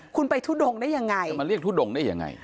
คุณไปทุดงได้ยังไง